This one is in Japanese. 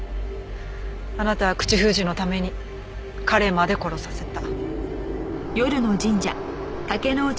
あなたは口封じのために彼まで殺させた。